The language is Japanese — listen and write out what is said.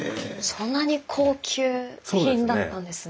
そんなに高級品だったんですね。